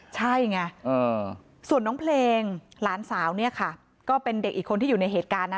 ใช่ไงส่วนน้องเพลงหลานสาวเนี่ยค่ะก็เป็นเด็กอีกคนที่อยู่ในเหตุการณ์นะ